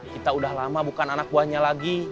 kita udah lama bukan anak buahnya lagi